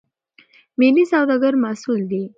ملي سوداګر مسئول دي.